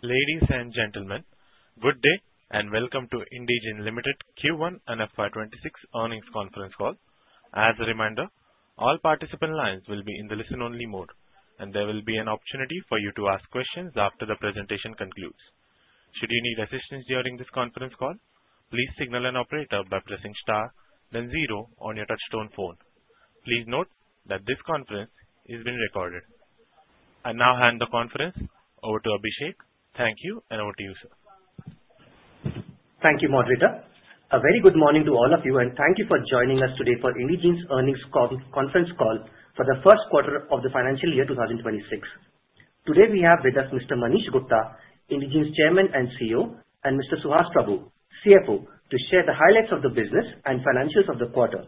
Ladies and gentlemen, good day and welcome to Indegene Limited Q1 and FY 2026 earnings conference call. As a reminder, all participant lines will be in the listen-only mode, and there will be an opportunity for you to ask questions after the presentation concludes. Should you need assistance during this conference call, please signal an operator by pressing star, then zero on your touch-tone phone. Please note that this conference is being recorded. I now hand the conference over to Abhishek. Thank you, and over to you, sir. Thank you, moderator. A very good morning to all of you, and thank you for joining us today for Indegene's earnings conference call for the first quarter of the financial year 2026. Today, we have with us Mr. Manish Gupta, Indegene's Chairman and CEO, and Mr. Suhas Prabhu, CFO, to share the highlights of the business and financials of the quarter.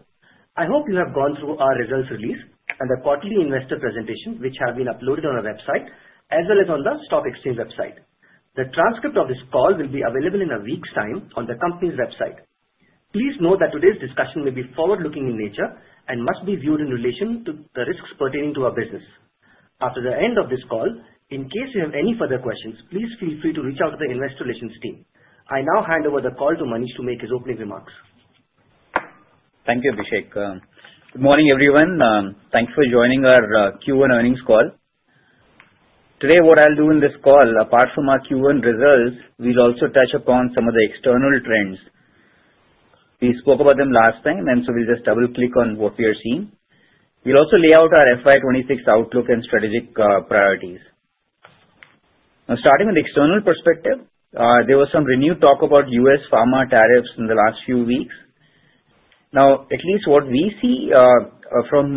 I hope you have gone through our results release and the quarterly investor presentation, which have been uploaded on our website as well as on the stock exchange website. The transcript of this call will be available in a week's time on the company's website. Please note that today's discussion may be forward-looking in nature and must be viewed in relation to the risks pertaining to our business. After the end of this call, in case you have any further questions, please feel free to reach out to the investor relations team. I now hand over the call to Manish to make his opening remarks. Thank you, Abhishek. Good morning, everyone. Thanks for joining our Q1 earnings call. Today, what I'll do in this call, apart from our Q1 results, we'll also touch upon some of the external trends. We spoke about them last time, and so we'll just double-click on what we are seeing. We'll also lay out our FY2026 outlook and strategic priorities. Now, starting with the external perspective, there was some renewed talk about U.S. pharma tariffs in the last few weeks. Now, at least what we see from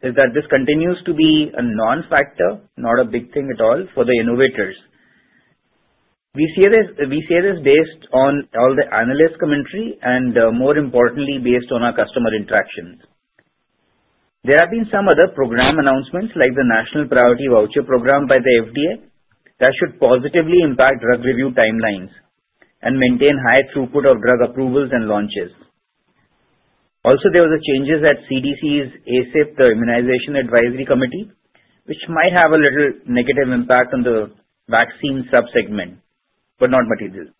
it is that this continues to be a non-factor, not a big thing at all for the innovators. We see this based on all the analyst commentary and, more importantly, based on our customer interactions. There have been some other program announcements, like the National Priority Voucher Program by the FDA, that should positively impact drug review timelines and maintain high throughput of drug approvals and launches. Also, there were changes at CDC's ACIP, the immunization Advisory Committee, which might have a little negative impact on the vaccine subsegment, but not material.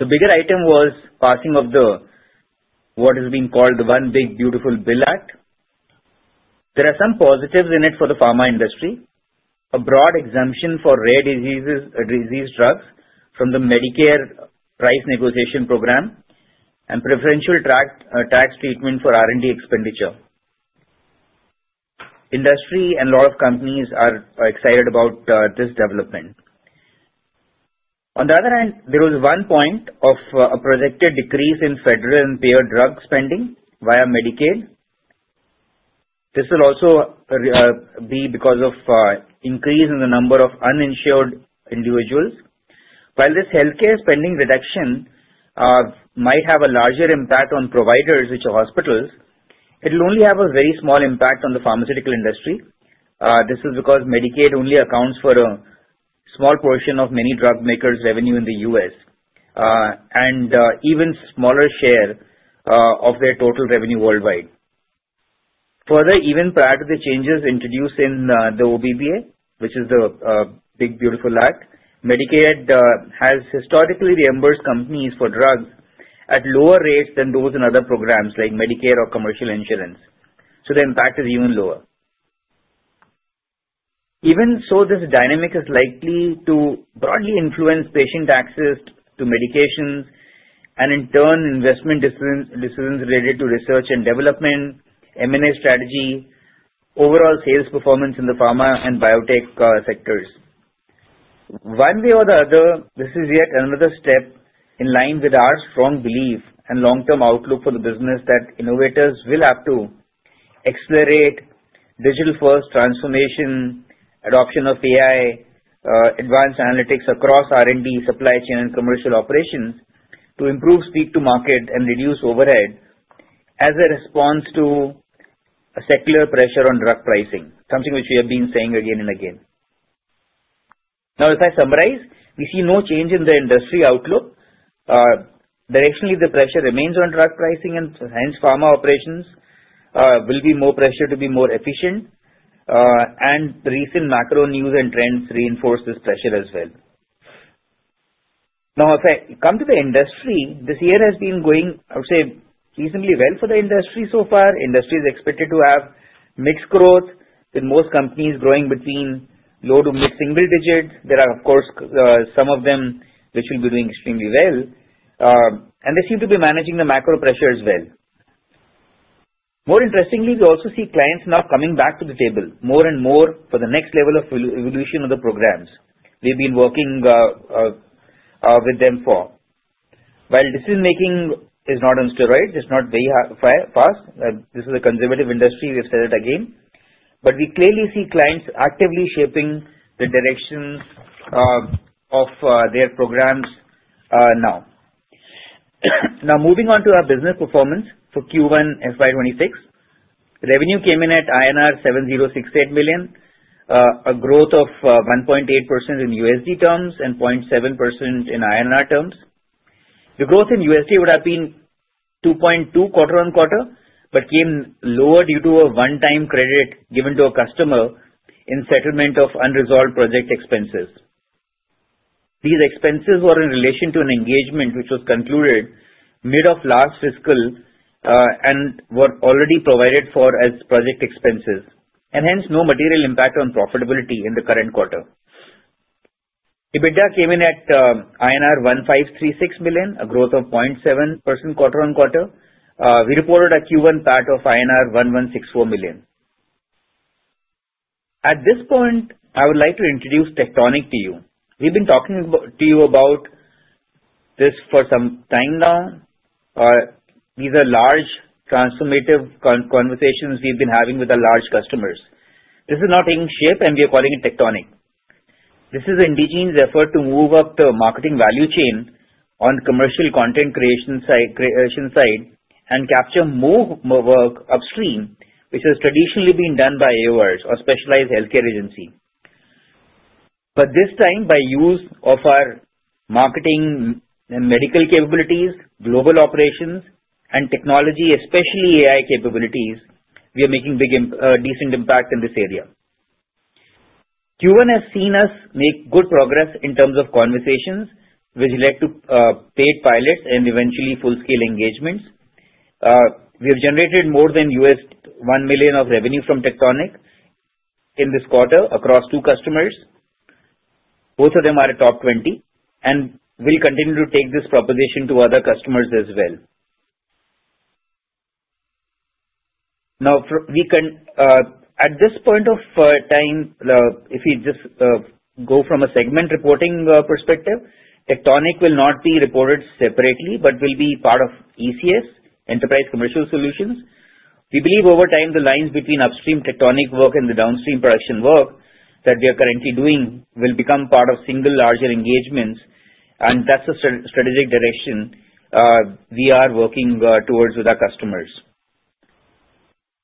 The bigger item was passing of what has been called the One Big Beautiful Bill Act. There are some positives in it for the pharma industry: a broad exemption for rare disease drugs from the Medicare price negotiation program and preferential tax treatment for R&D expenditure. Industry and a lot of companies are excited about this development. On the other hand, there was one point of a projected decrease in federal and payer drug spending via Medicaid. This will also be because of an increase in the number of uninsured individuals. While this healthcare spending reduction might have a larger impact on providers, which are hospitals, it will only have a very small impact on the pharmaceutical industry. This is because Medicaid only accounts for a small portion of many drug makers' revenue in the U.S. and even a smaller share of their total revenue worldwide. Further, even prior to the changes introduced in the OBBA, which is the Big Beautiful Act, Medicaid has historically reimbursed companies for drugs at lower rates than those in other programs like Medicare or commercial insurance. So the impact is even lower. Even so, this dynamic is likely to broadly influence patient access to medications and, in turn, investment decisions related to research and development, M&A strategy, overall sales performance in the pharma and biotech sectors. One way or the other, this is yet another step in line with our strong belief and long-term outlook for the business that innovators will have to accelerate digital-first transformation, adoption of AI, advanced analytics across R&D, supply chain, and commercial operations to improve speed to market and reduce overhead as a response to secular pressure on drug pricing, something which we have been saying again and again. Now, if I summarize, we see no change in the industry outlook. Directionally, the pressure remains on drug pricing, and hence, pharma operations will be more pressured to be more efficient, and the recent macro news and trends reinforce this pressure as well. Now, if I come to the industry, this year has been going, I would say, reasonably well for the industry so far. The industry is expected to have mixed growth, with most companies growing between low- to mid-single digits. There are, of course, some of them which will be doing extremely well, and they seem to be managing the macro pressure as well. More interestingly, we also see clients now coming back to the table more and more for the next level of evolution of the programs we've been working with them for. While decision-making is not on steroids, it's not very fast. This is a conservative industry, we've said it again, but we clearly see clients actively shaping the direction of their programs now. Now, moving on to our business performance for Q1 FY2026, revenue came in at INR 7,068 million, a growth of 1.8% in USD terms and 0.7% in INR terms. The growth in USD would have been 2.2% quarter-on-quarter but came lower due to a one-time credit given to a customer in settlement of unresolved project expenses. These expenses were in relation to an engagement which was concluded mid of last fiscal and were already provided for as project expenses, and hence, no material impact on profitability in the current quarter. EBITDA came in at INR 1,536 million, a growth of 0.7% quarter-on-quarter. We reported a Q1 PAT of INR 1,164 million. At this point, I would like to introduce Tectonic to you. We've been talking to you about this for some time now. These are large transformative conversations we've been having with our large customers. This is not taking shape, and we are calling it Tectonic. This is Indegene's effort to move up the marketing value chain on the commercial content creation side and capture more work upstream, which has traditionally been done by AORs or specialized healthcare agency. This time, by use of our marketing and medical capabilities, global operations, and technology, especially AI capabilities, we are making a decent impact in this area. Q1 has seen us make good progress in terms of conversations, which led to paid pilots and eventually full-scale engagements. We have generated more than $1 million of revenue from Tectonic in this quarter across two customers. Both of them are top 20 and will continue to take this proposition to other customers as well. Now, at this point of time, if we just go from a segment reporting perspective, Tectonic will not be reported separately but will be part of ECS, Enterprise Commercial Solutions. We believe over time, the lines between upstream Tectonic work and the downstream production work that we are currently doing will become part of single larger engagements, and that's the strategic direction we are working towards with our customers.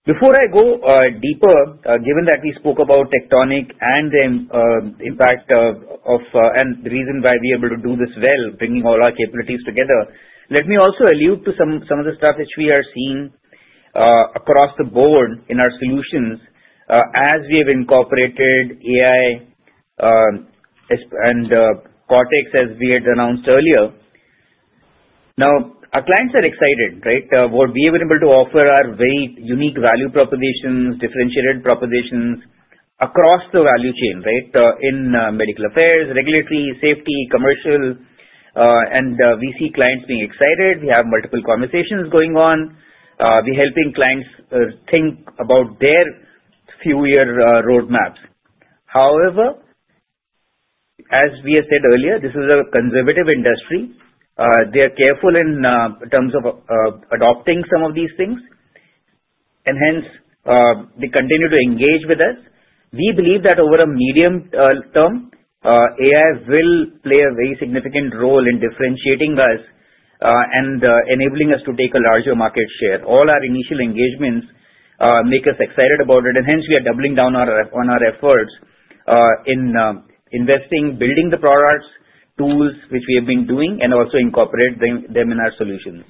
Before I go deeper, given that we spoke about Tectonic and the impact and the reason why we are able to do this well, bringing all our capabilities together, let me also allude to some of the stuff which we are seeing across the board in our solutions as we have incorporated AI and Cortex, as we had announced earlier. Now, our clients are excited, right? What we have been able to offer are very unique value propositions, differentiated propositions across the value chain, right, in medical affairs, regulatory, safety, commercial, and we see clients being excited. We have multiple conversations going on. We're helping clients think about their few-year roadmaps. However, as we had said earlier, this is a conservative industry. They are careful in terms of adopting some of these things, and hence, they continue to engage with us. We believe that over a medium term, AI will play a very significant role in differentiating us and enabling us to take a larger market share. All our initial engagements make us excited about it, and hence, we are doubling down on our efforts in investing, building the products, tools which we have been doing, and also incorporating them in our solutions.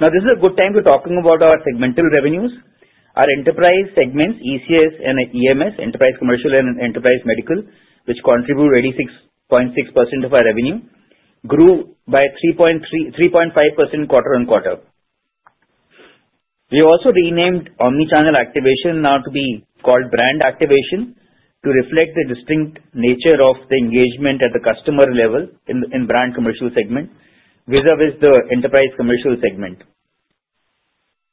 Now, this is a good time to talk about our segmental revenues. Our enterprise segments, ECS and EMS, Enterprise Commercial and Enterprise Medical, which contribute 86.6% of our revenue, grew by 3.5% quarter-on-quarter. We also renamed Omnichannel Activation now to be called Brand Activation to reflect the distinct nature of the engagement at the customer level in brand commercial segment vis-à-vis the enterprise commercial segment.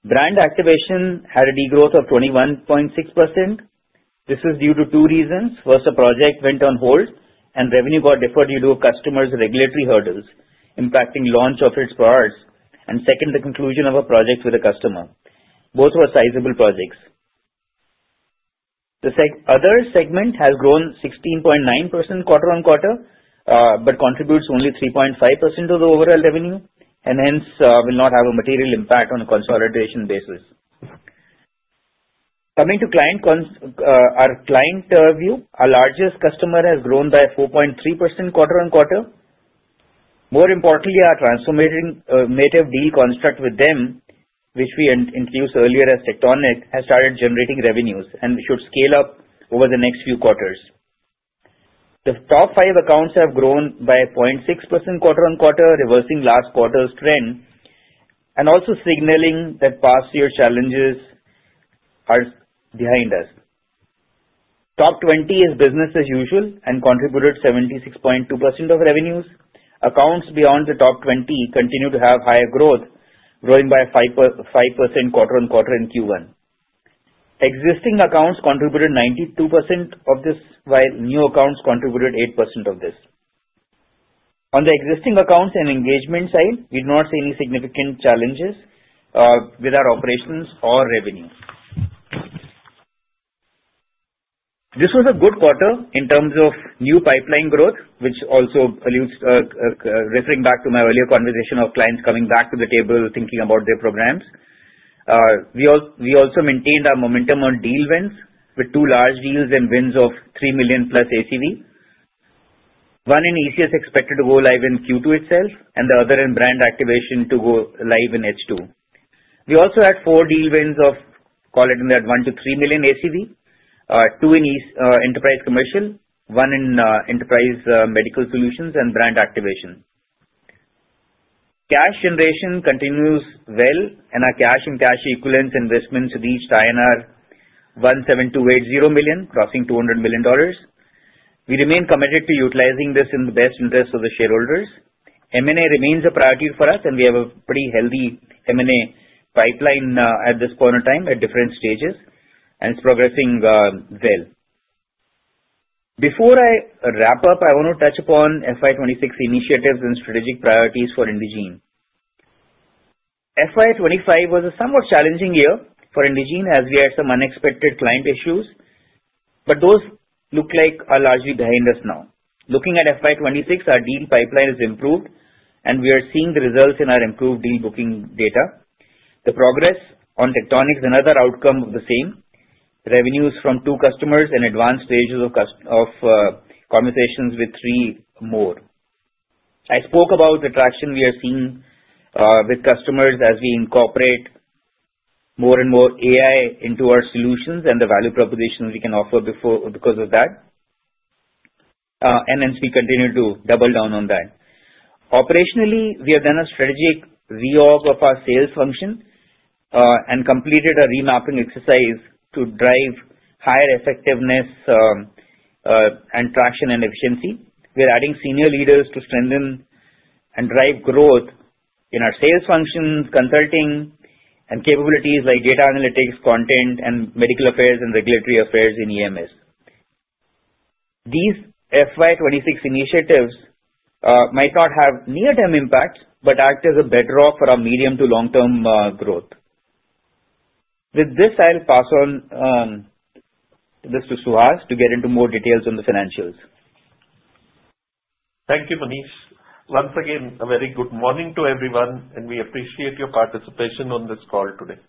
Brand Activation had a degrowth of 21.6%. This is due to two reasons. First, a project went on hold, and revenue got deferred due to customers' regulatory hurdles impacting the launch of its products, and second, the conclusion of a project with a customer. Both were sizable projects. The other segment has grown 16.9% quarter-on-quarter but contributes only 3.5% of the overall revenue and hence will not have a material impact on a consolidation basis. Coming to our client view, our largest customer has grown by 4.3% quarter-on-quarter. More importantly, our transformative native deal construct with them, which we introduced earlier as Tectonic, has started generating revenues and should scale up over the next few quarters. The top five accounts have grown by 0.6% quarter on quarter, reversing last quarter's trend and also signaling that past year challenges are behind us. Top 20 is business as usual and contributed 76.2% of revenues. Accounts beyond the top 20 continue to have higher growth, growing by 5% quarter on quarter in Q1. Existing accounts contributed 92% of this, while new accounts contributed 8% of this. On the existing accounts and engagement side, we do not see any significant challenges with our operations or revenue. This was a good quarter in terms of new pipeline growth, which also refers back to my earlier conversation of clients coming back to the table thinking about their programs. We also maintained our momentum on deal wins with two large deals and wins of three million plus ACV. One in ECS expected to go live in Q2 itself, and the other in brand activation to go live in H2. We also had four deal wins of, call it in that one to three million ACV, two in Enterprise Commercial, one in Enterprise Medical Solutions, and Brand Activation. Cash generation continues well, and our cash and cash equivalents investments reached INR 17,280 million, crossing $200 million. We remain committed to utilizing this in the best interest of the shareholders. M&A remains a priority for us, and we have a pretty healthy M&A pipeline at this point of time at different stages, and it's progressing well. Before I wrap up, I want to touch upon FY2026 initiatives and strategic priorities for Indegene. FY25 was a somewhat challenging year for Indegene as we had some unexpected client issues, but those look like are largely behind us now. Looking at FY2026, our deal pipeline has improved, and we are seeing the results in our improved deal booking data. The progress on Tectonic is another outcome of the same: revenues from two customers and advanced stages of conversations with three more. I spoke about the traction we are seeing with customers as we incorporate more and more AI into our solutions and the value propositions we can offer because of that, and hence, we continue to double down on that. Operationally, we have done a strategic reorg of our sales function and completed a remapping exercise to drive higher effectiveness and traction and efficiency. We're adding senior leaders to strengthen and drive growth in our sales functions, consulting, and capabilities like data analytics, content, and medical affairs and regulatory affairs in EMS. These FY2026 initiatives might not have near-term impacts but act as a bedrock for our medium to long-term growth. With this, I'll pass on this to Suhas to get into more details on the financials. Thank you, Manish. Once again, a very good morning to everyone, and we appreciate your participation on this call today.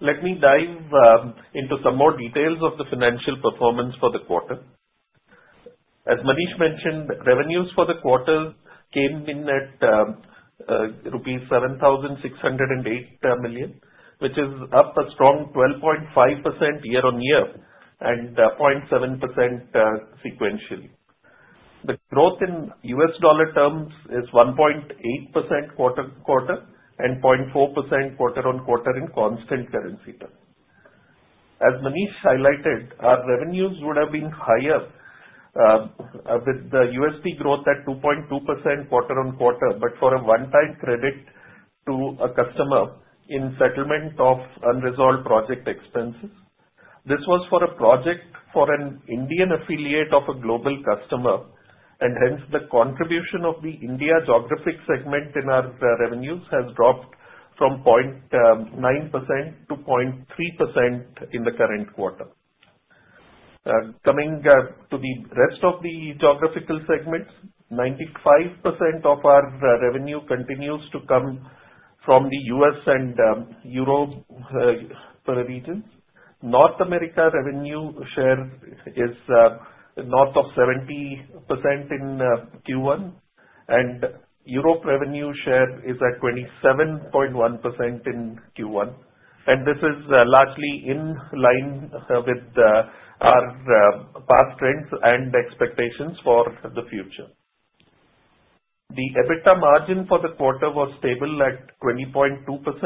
Let me dive into some more details of the financial performance for the quarter. As Manish mentioned, revenues for the quarter came in at rupees 7,608 million, which is up a strong 12.5% year on year and 0.7% sequentially. The growth in U.S. dollar terms is 1.8% quarter-on-quarter and 0.4% quarter-on-quarter in constant currency terms. As Manish highlighted, our revenues would have been higher with the USD growth at 2.2% quarter-on-quarter, but for a one-time credit to a customer in settlement of unresolved project expenses. This was for a project for an Indian affiliate of a global customer, and hence, the contribution of the India geographic segment in our revenues has dropped from 0.9% to 0.3% in the current quarter. Coming to the rest of the geographical segments, 95% of our revenue continues to come from the U.S. and Europe regions. North America revenue share is north of 70% in Q1, and Europe revenue share is at 27.1% in Q1, and this is largely in line with our past trends and expectations for the future. The EBITDA margin for the quarter was stable at 20.2%,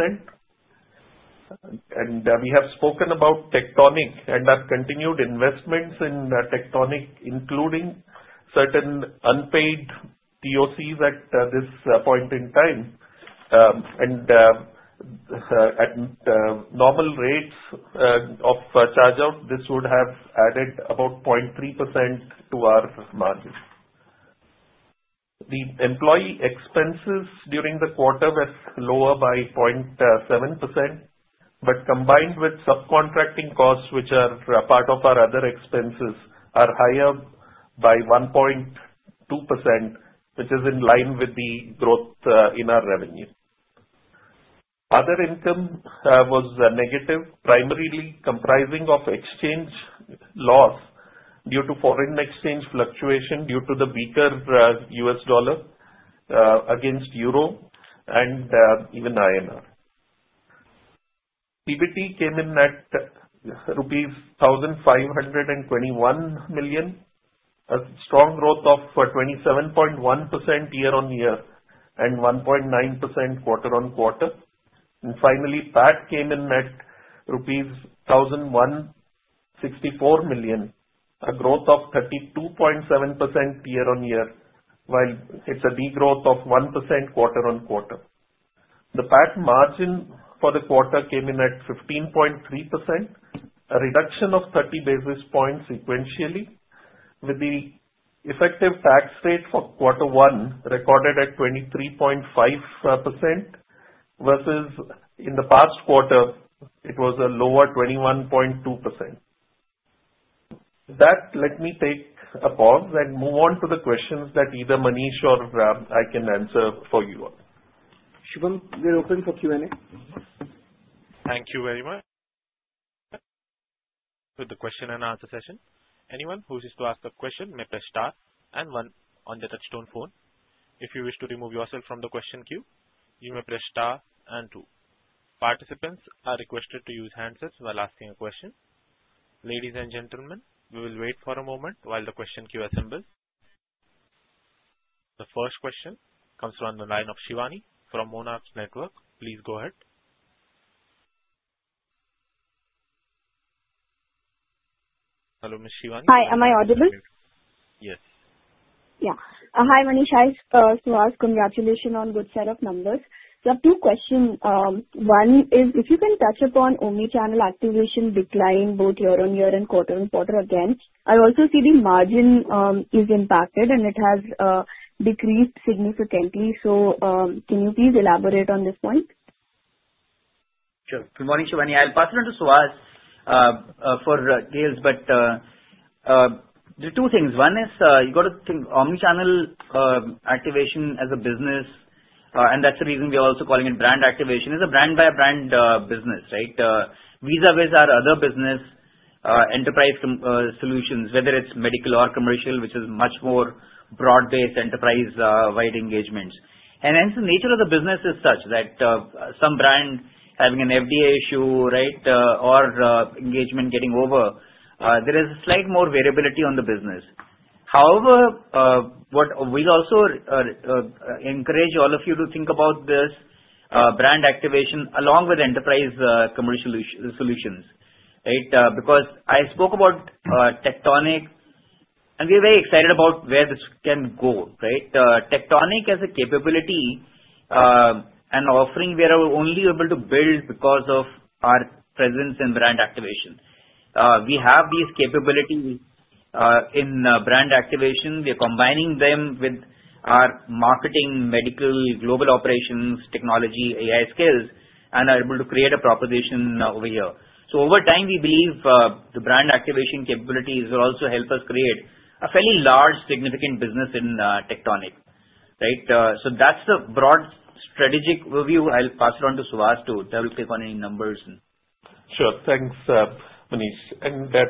and we have spoken about Tectonic and our continued investments in Tectonic, including certain unpaid POCs at this point in time. And at normal rates of chargeout, this would have added about 0.3% to our margin. The employee expenses during the quarter were lower by 0.7%, but combined with subcontracting costs, which are part of our other expenses, are higher by 1.2%, which is in line with the growth in our revenue. Other income was negative, primarily comprising of exchange loss due to foreign exchange fluctuation due to the weaker U.S. dollar against euro and even INR. PBT came in at rupees 1,521 million, a strong growth of 27.1% year-on-year and 1.9% quarter-on-quarter. And finally, PAT came in at rupees 1,164 million, a growth of 32.7% year-on-year, while it's a degrowth of 1% quarter-on-quarter. The PAT margin for the quarter came in at 15.3%, a reduction of 30 basis points sequentially, with the effective tax rate for quarter one recorded at 23.5% versus in the past quarter, it was a lower 21.2%. With that, let me take a pause and move on to the questions that either Manish or I can answer for you all. Shubham, we're open for Q&A. Thank you very much. For the question and answer session, anyone who wishes to ask a question may press star and one on the touch-tone phone. If you wish to remove yourself from the question queue, you may press star and two. Participants are requested to use handsets while asking a question. Ladies and gentlemen, we will wait for a moment while the question queue assembles. The first question comes from the line of Shivani from Monarch Networth Capital. Please go ahead. Hello, Ms. Shiwani. Hi, am I audible? Yes. Yeah. Hi, Manish. Hi, Suhas. Congratulations on a good set of numbers. So I have two questions. One is, if you can touch upon Omnichannel Activation decline both year-on-year and quarter-on-quarter again, I also see the margin is impacted, and it has decreased significantly. So can you please elaborate on this point? Sure. Good morning, Shivani. I'll pass it on to Suhas for details, but two things. One is you've got to think Omnichannel Activation as a business, and that's the reason we are also calling it brand activation. It's a brand-by-brand business, right? Vis-a-vis is our other business, enterprise solutions, whether it's medical or commercial, which is much more broad-based enterprise-wide engagements. And hence, the nature of the business is such that some brand having an FDA issue, right, or engagement getting over, there is a slight more variability on the business. However, we also encourage all of you to think about this brand activation along with enterprise commercial solutions, right? Because I spoke about Tectonic, and we are very excited about where this can go, right? Tectonic has a capability and offering we are only able to build because of our presence in brand activation. We have these capabilities in brand activation. We are combining them with our marketing, medical, global operations, technology, AI skills, and are able to create a proposition over here. So over time, we believe the brand activation capabilities will also help us create a fairly large, significant business in Tectonic, right? So that's the broad strategic overview. I'll pass it on to Suhas to double-click on any numbers. Sure. Thanks, Manish.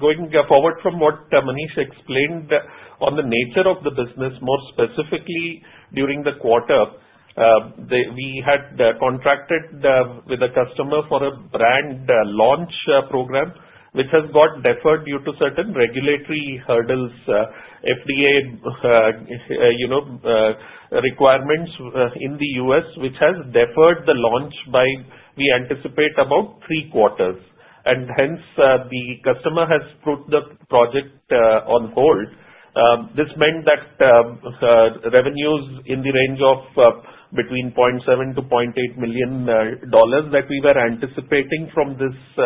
Going forward from what Manish explained on the nature of the business, more specifically during the quarter, we had contracted with a customer for a brand launch program, which has got deferred due to certain regulatory hurdles, FDA requirements in the US, which has deferred the launch by, we anticipate, about three quarters. Hence, the customer has put the project on hold. This meant that revenues in the range of between $0.7 million-$0.8 million that we were anticipating from this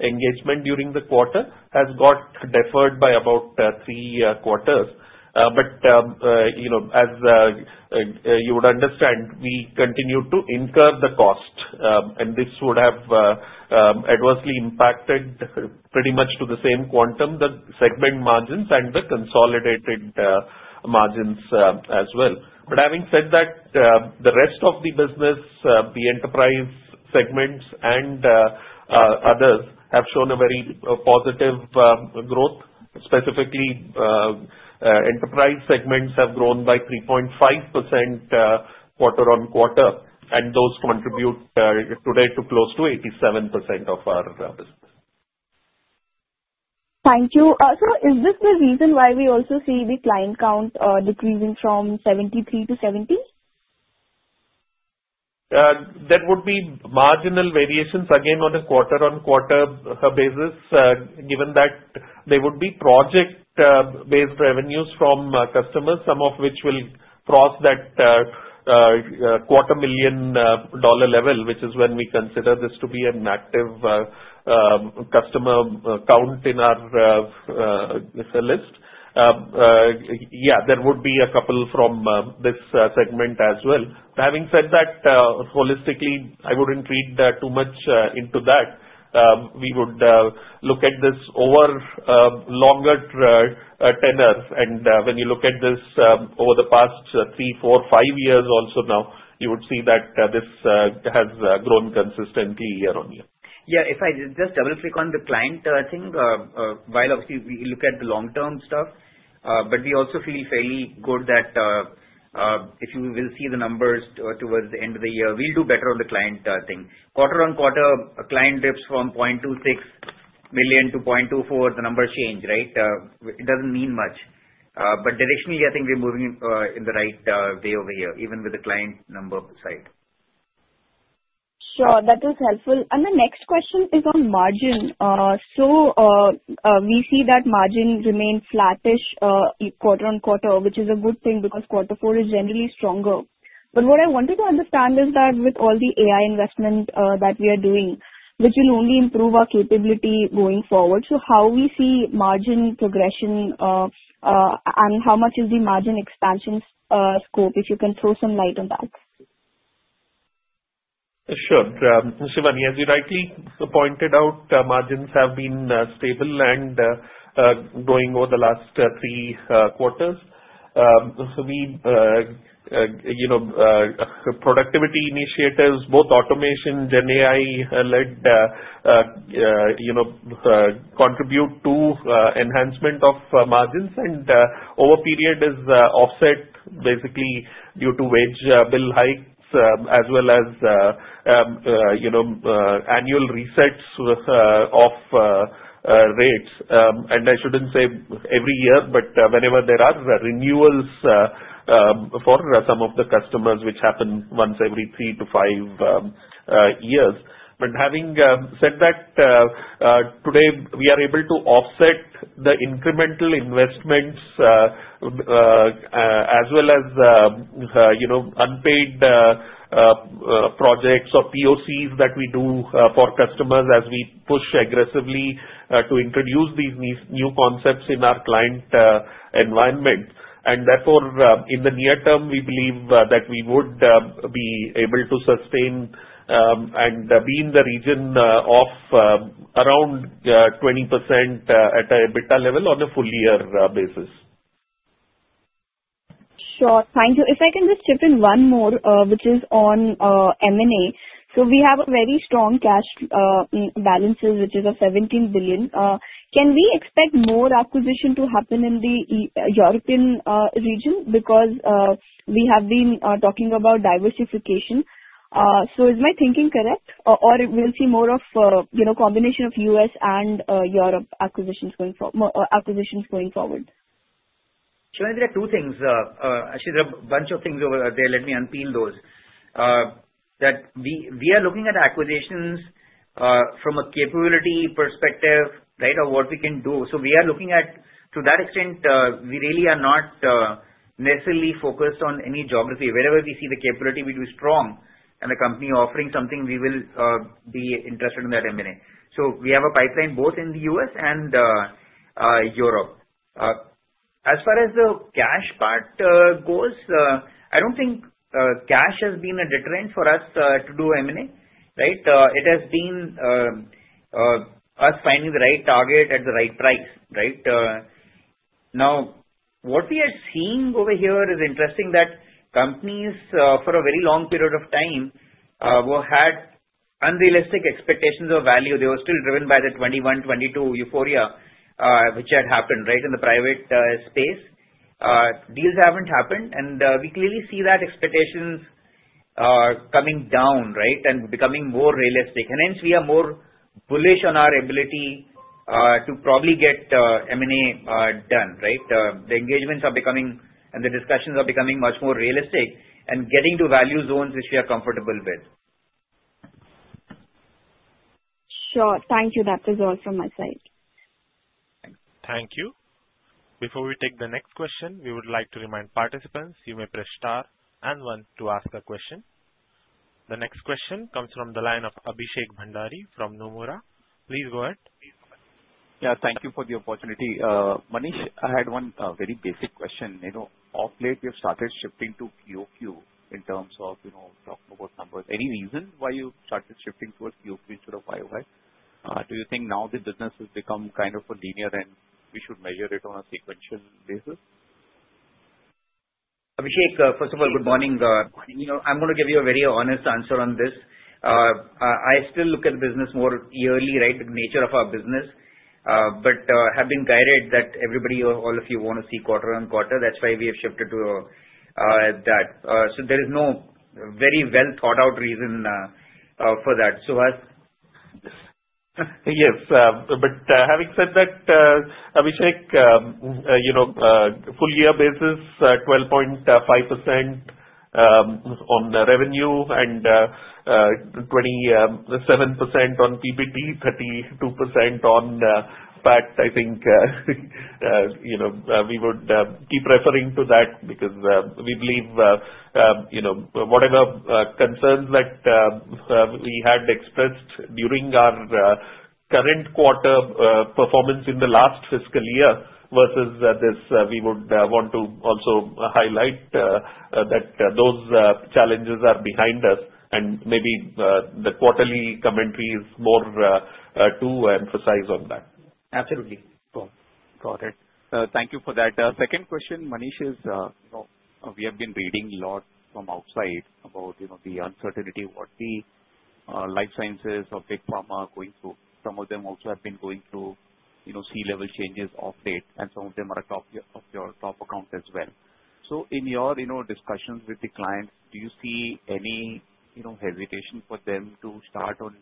engagement during the quarter has got deferred by about three quarters. But as you would understand, we continue to incur the cost, and this would have adversely impacted pretty much to the same quantum the segment margins and the consolidated margins as well. But having said that, the rest of the business, the enterprise segments and others, have shown a very positive growth. Specifically, enterprise segments have grown by 3.5% quarter on quarter, and those contribute today to close to 87% of our business. Thank you. Also, is this the reason why we also see the client count decreasing from 73 to 70? That would be marginal variations again on a quarter on quarter basis, given that there would be project-based revenues from customers, some of which will cross that $250,000 level, which is when we consider this to be an active customer count in our list. Yeah, there would be a couple from this segment as well. But having said that, holistically, I wouldn't read too much into that. We would look at this over longer tenors. When you look at this over the past three, four, five years also now, you would see that this has grown consistently year on year. Yeah. If I just double-click on the client thing, while obviously we look at the long-term stuff, but we also feel fairly good that if you will see the numbers towards the end of the year, we'll do better on the client thing. Quarter-on-quarter, a client dips from $0.26 million to $0.24 million, the numbers change, right? It doesn't mean much. But directionally, I think we're moving in the right way over here, even with the client number side. Sure. That is helpful. The next question is on margin. So we see that margin remains flattish quarter on quarter, which is a good thing because quarter four is generally stronger. But what I wanted to understand is that with all the AI investment that we are doing, which will only improve our capability going forward, so how we see margin progression and how much is the margin expansion scope, if you can throw some light on that? Sure. Shiwani, as you rightly pointed out, margins have been stable and growing over the last three quarters, so the productivity initiatives, both automation and AI-led, contribute to enhancement of margins, and over period is offset, basically, due to wage bill hikes as well as annual resets of rates, and I shouldn't say every year, but whenever there are renewals for some of the customers, which happen once every three to five years. But having said that, today, we are able to offset the incremental investments as well as unpaid projects or POCs that we do for customers as we push aggressively to introduce these new concepts in our client environment. And therefore, in the near term, we believe that we would be able to sustain and be in the region of around 20% at a EBITDA level on a full-year basis. Sure. Thank you. If I can just chip in one more, which is on M&A. So we have a very strong cash balances, which is of INR 17 billion. Can we expect more acquisition to happen in the European region? Because we have been talking about diversification. So is my thinking correct, or will we see more of a combination of U.S. and Europe acquisitions going forward? Shiwani, there are two things. Actually, there are a bunch of things over there. Let me unpeel those. That we are looking at acquisitions from a capability perspective, right, of what we can do. So we are looking at, to that extent, we really are not necessarily focused on any geography. Wherever we see the capability, we do strong. And the company offering something, we will be interested in that M&A. So we have a pipeline both in the U.S. and Europe. As far as the cash part goes, I don't think cash has been a deterrent for us to do M&A, right? It has been us finding the right target at the right price, right? Now, what we are seeing over here is interesting that companies, for a very long period of time, had unrealistic expectations of value. They were still driven by the 2021, 2022 euphoria, which had happened, right, in the private space. Deals haven't happened, and we clearly see that expectations are coming down, right, and becoming more realistic. And hence, we are more bullish on our ability to probably get M&A done, right? The engagements are becoming, and the discussions are becoming much more realistic and getting to value zones which we are comfortable with. Sure. Thank you. That is all from my side. Thank you. Before we take the next question, we would like to remind participants you may press star and one to ask a question. The next question comes from the line of Abhishek Bhandari from Nomura. Please go ahead. Yeah. Thank you for the opportunity. Manish, I had one very basic question. Of late, we have started shifting to QoQ in terms of talking about numbers. Any reason why you started shifting towards QoQ instead of YoY? Do you think now the business has become kind of a linear and we should measure it on a sequential basis? Abhishek, first of all, good morning. I'm going to give you a very honest answer on this. I still look at the business more yearly, right, the nature of our business, but have been guided that everybody, all of you want to see quarter on quarter. That's why we have shifted to that. So there is no very well-thought-out reason for that. Suhas? Yes. But having said that, Abhishek, full-year basis, 12.5% on revenue and 27% on PBT, 32% on PAT, I think we would keep referring to that because we believe whatever concerns that we had expressed during our current quarter performance in the last fiscal year versus this, we would want to also highlight that those challenges are behind us. And maybe the quarterly commentary is more to emphasize on that. Absolutely. Got it. Thank you for that. Second question, Manish, is we have been reading a lot from outside about the uncertainty of what the life sciences of big pharma are going through. Some of them also have been going through C-level changes of late, and some of them are top of your top account as well. So in your discussions with the clients, do you see any hesitation for them to start on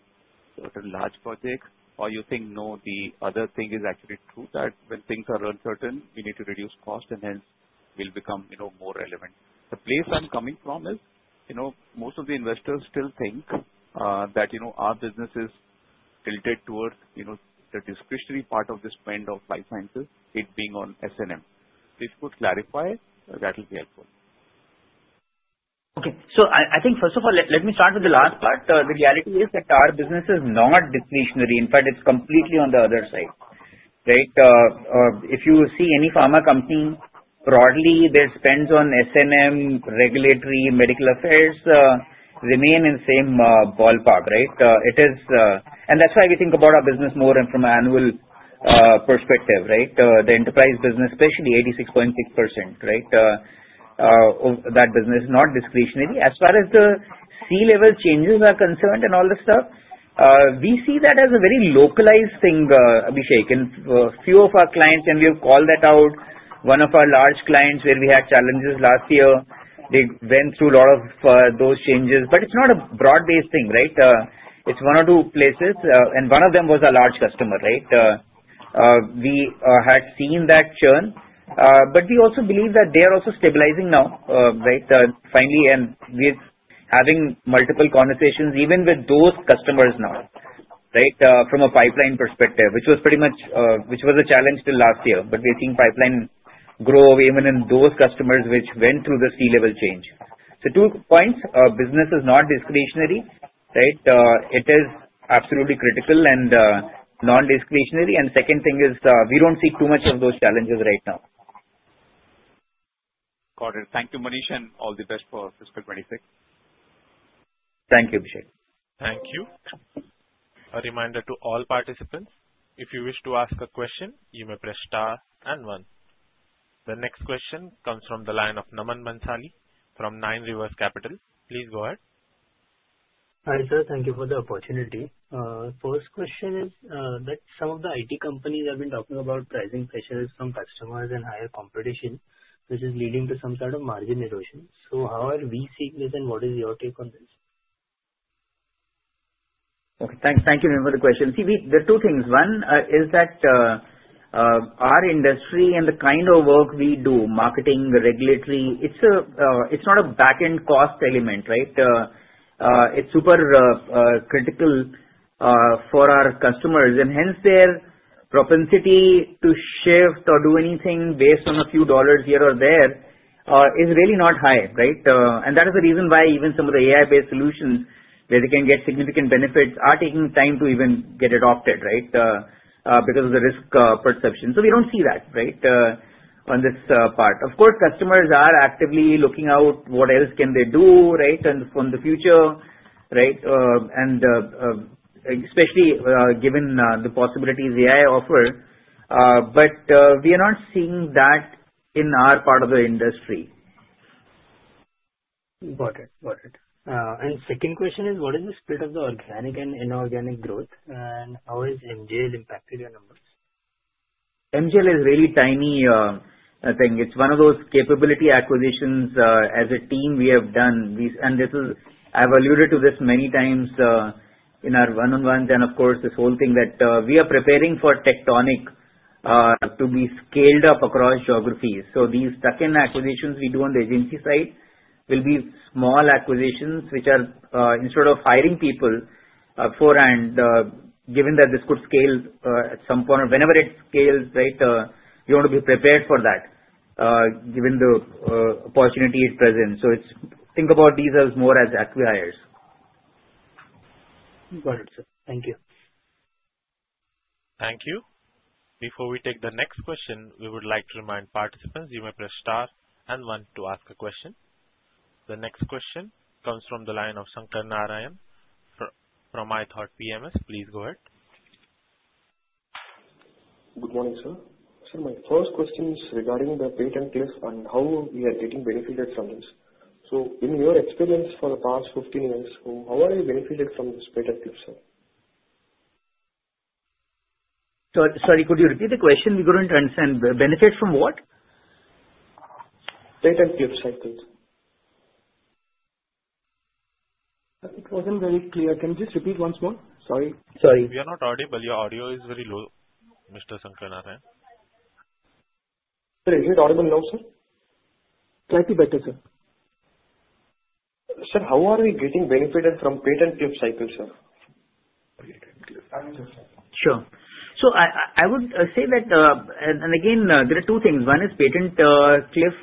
certain large projects, or you think, no, the other thing is actually true that when things are uncertain, we need to reduce cost, and hence, we'll become more relevant? The place I'm coming from is most of the investors still think that our business is tilted towards the discretionary part of this trend of life sciences, it being on S&M. If you could clarify it, that will be helpful. Okay. So I think, first of all, let me start with the last part. The reality is that our business is not discretionary. In fact, it's completely on the other side, right? If you see any pharma company broadly, their spends on S&M, regulatory, medical affairs remain in the same ballpark, right? And that's why we think about our business more from an annual perspective, right? The enterprise business, especially 86.6%, right, that business is not discretionary. As far as the C-level changes are concerned and all this stuff, we see that as a very localized thing, Abhishek. And few of our clients - and we have called that out - one of our large clients where we had challenges last year, they went through a lot of those changes. But it's not a broad-based thing, right? It's one or two places, and one of them was a large customer, right? We had seen that churn, but we also believe that they are also stabilizing now, right? Finally, and we're having multiple conversations even with those customers now, right, from a pipeline perspective, which was pretty much a challenge till last year. But we're seeing pipeline grow even in those customers which went through the C level change. So two points: business is not discretionary, right? It is absolutely critical and non-discretionary. And the second thing is we don't see too much of those challenges right now. Got it. Thank you, Manish, and all the best for fiscal 26. Thank you, Abhishek. Thank you. A reminder to all participants, if you wish to ask a question, you may press star and one. The next question comes from the line of Naman Bhansali from Nine Rivers Capital. Please go ahead. Hi sir, thank you for the opportunity. First question is that some of the IT companies have been talking about rising pressures from customers and higher competition, which is leading to some sort of margin erosion. So how are we seeing this and what is your take on this? Okay. Thank you for the question. See, there are two things. One is that our industry and the kind of work we do, marketing, regulatory, it's not a back-end cost element, right? It's super critical for our customers. And hence, their propensity to shift or do anything based on a few dollars here or there is really not high, right? And that is the reason why even some of the AI-based solutions where they can get significant benefits are taking time to even get adopted, right, because of the risk perception. So we don't see that, right, on this part. Of course, customers are actively looking out what else can they do, right, from the future, right, and especially given the possibilities AI offers. But we are not seeing that in our part of the industry. Got it. Got it. And second question is, what is the split of the organic and inorganic growth, and how has MJL impacted your numbers? MJL is a really tiny thing. It's one of those capability acquisitions as a team we have done. And I've alluded to this many times in our one-on-ones, and of course, this whole thing that we are preparing for Tectonic to be scaled up across geographies. So these tuck-in acquisitions we do on the agency side will be small acquisitions which are, instead of hiring people upfront, given that this could scale at some point, or whenever it scales, right? You want to be prepared for that given the opportunity present. So think about these as more as acqui-hires. Got it, sir. Thank you. Thank you. Before we take the next question, we would like to remind participants you may press star and one to ask a question. The next question comes from the line of Shankar Narayan from ithoughtPMS. Please go ahead. Good morning, sir. Sir, my first question is regarding the patent cliff and how we are getting benefited from this. So in your experience for the past 15 years, how are you benefited from this patent cliff, sir? Sorry, could you repeat the question? We couldn't understand. Benefit from what? Patent cliff, I think. It wasn't very clear. Can you just repeat once more? Sorry. Sorry. We are not audible, your audio is very low, Mr. Sankara Narayanan. Sir, is it audible now, sir? Slightly better, sir. Sir, how are we getting benefited from patent cliff cycle, sir? patent cliff cycle. Sure. So I would say that, and again, there are two things. One is patent cliff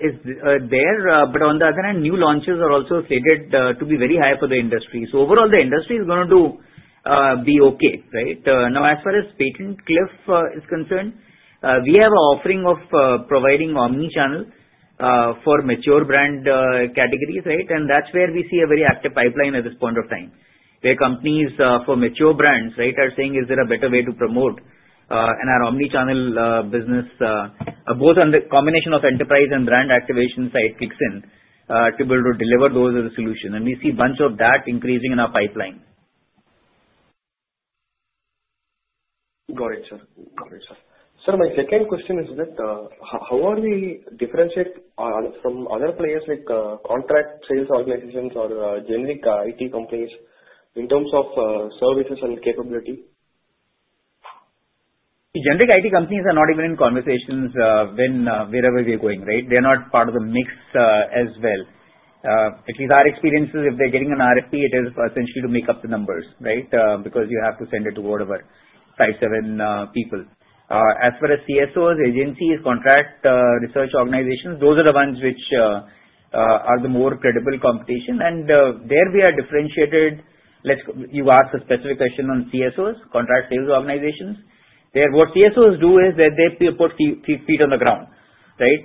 is there, but on the other hand, new launches are also slated to be very high for the industry. So overall, the industry is going to be okay, right? Now, as far as patent cliff is concerned, we have an offering of providing Omnichannel for mature brand categories, right? And that's where we see a very active pipeline at this point of time, where companies for mature brands, right, are saying, "Is there a better way to promote?" And our Omnichannel business, both on the combination of enterprise and brand activation side, kicks in to be able to deliver those as a solution. And we see a bunch of that increasing in our pipeline. Got it, sir. Got it, sir. Sir, my second question is that how are we differentiated from other players like contract sales organizations or generic IT companies in terms of services and capability? Generic IT companies are not even in conversations wherever we are going, right? They're not part of the mix as well. At least our experience is if they're getting an RFP, it is essentially to make up the numbers, right, because you have to send it to whatever, five, seven people. As far as CSOs, agencies, contract research organizations, those are the ones which are the more credible competition. And there we are differentiated. You asked a specific question on CSOs, contract sales organizations. What CSOs do is that they put feet on the ground, right?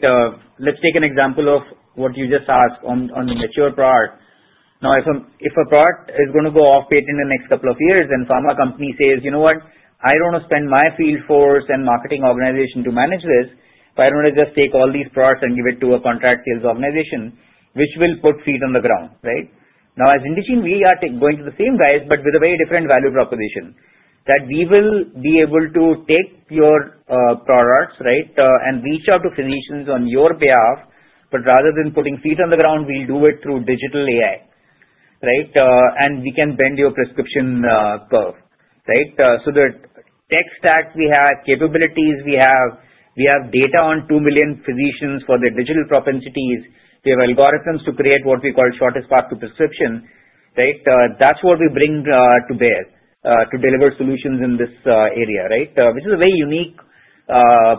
Let's take an example of what you just asked on the mature product. Now, if a product is going to go off patent in the next couple of years and pharma company says, "You know what? I don't want to spend my field force and marketing organization to manage this. I want to just take all these products and give it to a contract sales organization," which will put feet on the ground, right? Now, as Indegene, we are going to the same guys but with a very different value proposition that we will be able to take your products, right, and reach out to physicians on your behalf. But rather than putting feet on the ground, we'll do it through digital AI, right? And we can bend your prescription curve, right? So the tech stack we have, capabilities we have, we have data on two million physicians for their digital propensities. We have algorithms to create what we call shortest path to prescription, right? That's what we bring to bear to deliver solutions in this area, right? Which is a very unique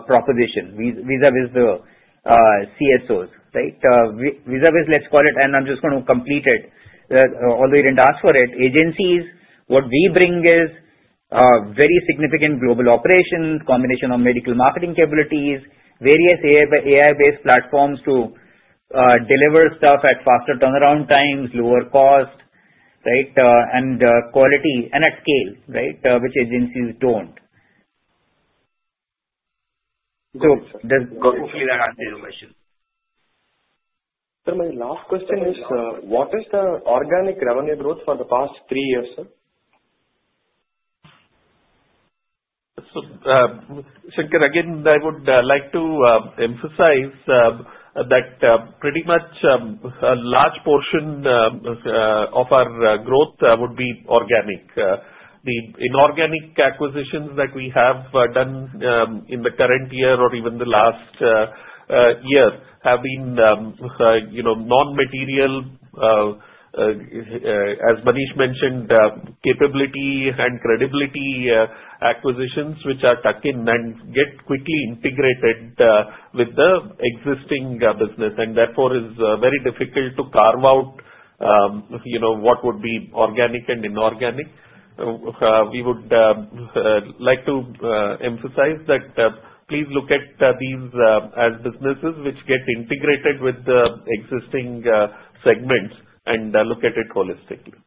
proposition vis-à-vis the CSOs, right? Vis-à-vis, let's call it, and I'm just going to complete it all the way you didn't ask for it. Agencies, what we bring is very significant global operations, combination of medical marketing capabilities, various AI-based platforms to deliver stuff at faster turnaround times, lower cost, right? And quality and at scale, right, which agencies don't. So hopefully that answers your question. Sir, my last question is, what is the organic revenue growth for the past three years, sir? So Sankar, again, I would like to emphasize that pretty much a large portion of our growth would be organic. The inorganic acquisitions that we have done in the current year or even the last year have been non-material, as Manish mentioned, capability and credibility acquisitions which are tucked in and get quickly integrated with the existing business. And therefore, it is very difficult to carve out what would be organic and inorganic. We would like to emphasize that, please look at these as businesses which get integrated with the existing segments and look at it holistically.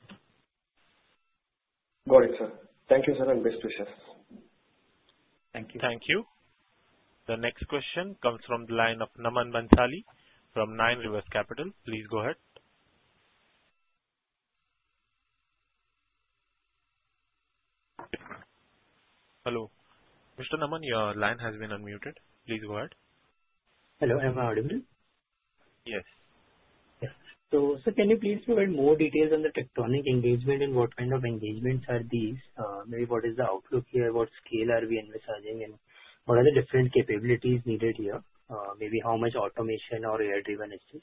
Got it, sir. Thank you, sir, and best wishes. Thank you. Thank you. The next question comes from the line of Naman Bhansali from Nine Rivers Capital. Please go ahead. Hello. Mr. Naman, your line has been unmuted. Please go ahead. Hello. Am I audible? Yes. So can you please provide more details on the Tectonic engagement and what kind of engagements are these? Maybe what is the outlook here? What scale are we envisaging? And what are the different capabilities needed here? Maybe how much automation or AI-driven is this?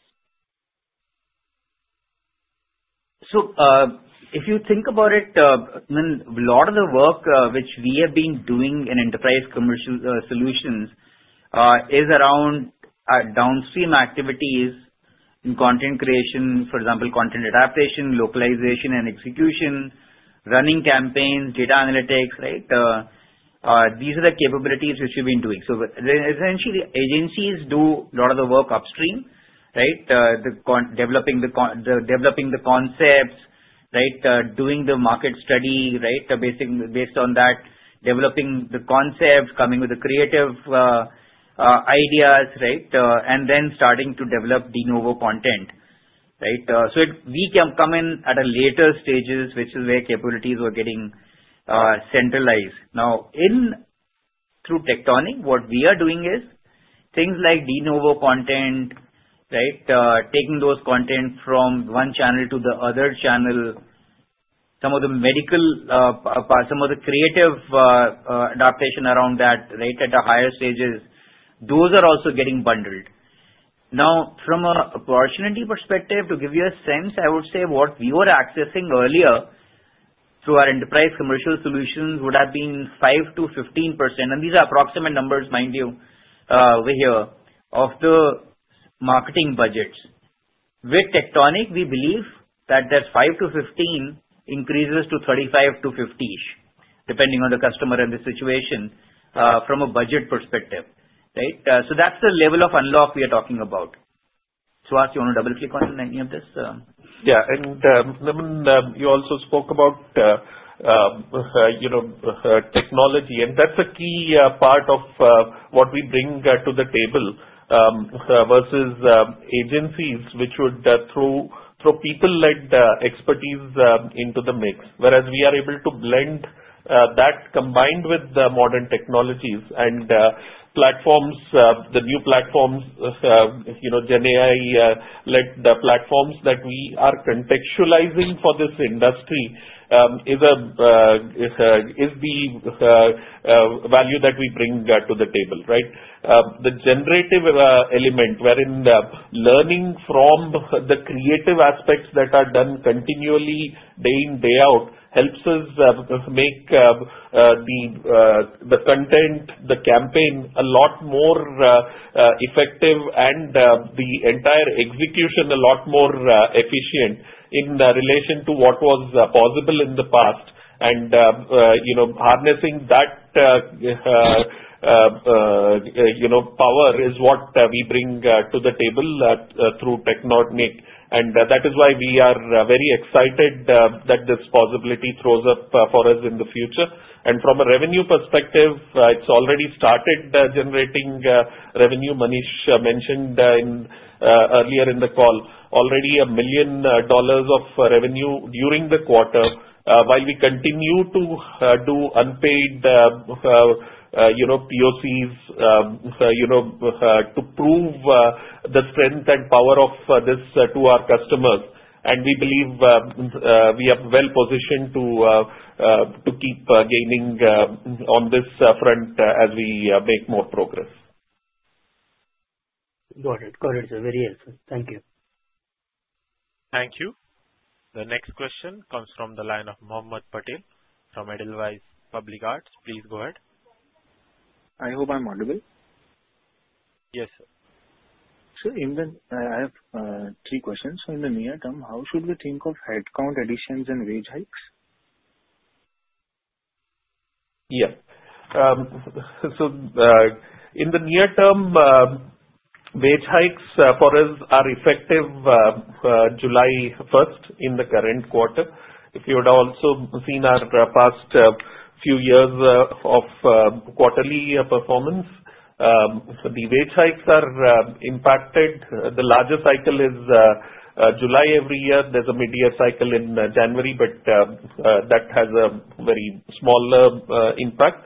So if you think about it, a lot of the work which we have been doing in Enterprise Commercial Solutions is around downstream activities in content creation, for example, content adaptation, localization, and execution, running campaigns, data analytics, right? These are the capabilities which we've been doing. So essentially, agencies do a lot of the work upstream, right? Developing the concepts, right, doing the market study, right, based on that, developing the concept, coming up with the creative ideas, right, and then starting to develop the new content, right? So we can come in at a later stage, which is where capabilities were getting centralized. Now, through Tectonic, what we are doing is things like the new content, right, taking those contents from one channel to the other channel, some of the medical, some of the creative adaptation around that, right, at the higher stages, those are also getting bundled. Now, from an opportunity perspective, to give you a sense, I would say what we were accessing earlier through our enterprise commercial solutions would have been 5%-15%. And these are approximate numbers, mind you, over here of the marketing budgets. With Tectonic, we believe that that 5%-15% increases to 35%-50%-ish, depending on the customer and the situation from a budget perspective, right? So that's the level of unlock we are talking about. Suhas, do you want to double-click on any of this? Yeah. And Naman, you also spoke about technology, and that's a key part of what we bring to the table versus agencies which would throw people-led expertise into the mix. Whereas we are able to blend that combined with the modern technologies and platforms, the new platforms, GenAI-led platforms that we are contextualizing for this industry is the value that we bring to the table, right? The generative element wherein learning from the creative aspects that are done continually day in, day out helps us make the content, the campaign a lot more effective and the entire execution a lot more efficient in relation to what was possible in the past. And harnessing that power is what we bring to the table through Tectonic. And that is why we are very excited that this possibility throws up for us in the future. And from a revenue perspective, it's already started generating revenue. Manish mentioned earlier in the call, already $1 million of revenue during the quarter while we continue to do unpaid POCs to prove the strength and power of this to our customers. And we believe we are well positioned to keep gaining on this front as we make more progress. Got it. Got it, sir. Very helpful. Thank you. Thank you. The next question comes from the line of Mohammed Patel from Edelweiss Public Alts. Please go ahead. I hope I'm audible. Yes, sir. Sir, I have three questions. So in the near term, how should we think of headcount additions and wage hikes? Yeah. So in the near term, wage hikes for us are effective July 1st in the current quarter. If you had also seen our past few years of quarterly performance, the wage hikes are impacted. The larger cycle is July every year. There's a mid-year cycle in January, but that has a very small impact.